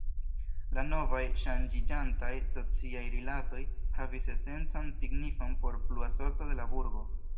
La novaj, ŝanĝiĝantaj sociaj rilatoj, havis esencan signifon por plua sorto de la burgo.